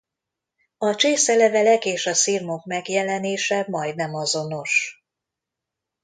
A csészelevelek és a szirmok megjelenése majdnem azonos.